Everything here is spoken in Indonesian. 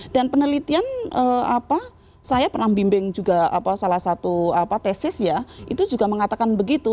dan penelitian saya pernah membimbing juga salah satu tesis ya itu juga mengatakan begitu